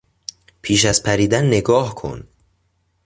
پیش از پریدن نگاه کن!